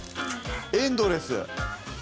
エンドレス。